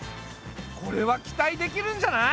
これは期待できるんじゃない？